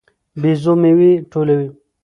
بيزو میوې ټولوي.